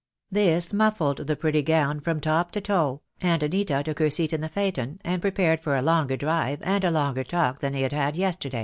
This muffled the pretty gown from top to toe, and Nita took her seat in the phaeton, and prepared for a longer drive and a longer talk than they had had yesterday.